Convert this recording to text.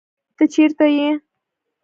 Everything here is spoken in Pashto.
ته چېرته يې